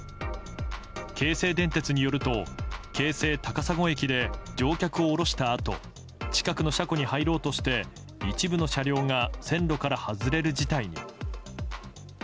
京成電鉄によると京成高砂駅で乗客を降ろしたあと近くの車庫に入ろうとして一部の車両が線路から外れる事態に。